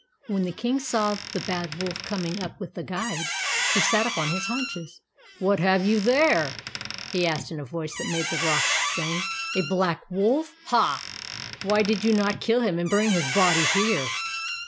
When the King saw the Bad Wolf coming with the Guide, he sat up on his haunches. " What have you there ?" he asked, in a voice that made the rocks ring. " A Black Wolf? Ha! Why did you not kill him, and bring his body here